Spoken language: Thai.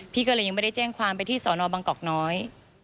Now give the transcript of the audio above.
พี่ก็เลยยังไม่ได้แจ้งความไปที่สอนอบังกอกน้อย